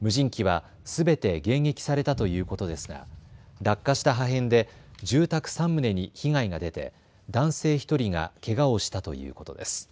無人機はすべて迎撃されたということですが落下した破片で住宅３棟に被害が出て男性１人がけがをしたということです。